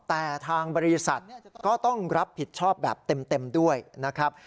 แต่ทางบริษัทก็ต้องรับผิดชอบแบบเต็มด้วยนะครับ